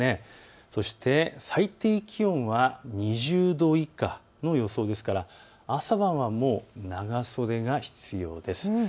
そして最低気温は２０度以下の予想ですから朝晩はもう長袖が必要です。